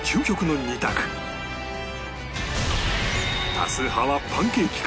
多数派はパンケーキか？